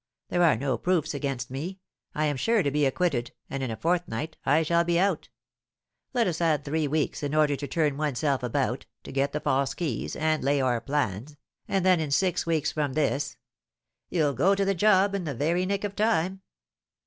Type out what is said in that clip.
There are no proofs against me, I am sure to be acquitted, and in a fortnight I shall be out; let us add three weeks in order to turn oneself about, to get the false keys, and lay our plans, and then in six weeks from this " "You'll go to the job in the very nick of time."